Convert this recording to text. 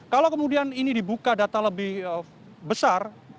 kalau kemudian ini dibuka data lebih besar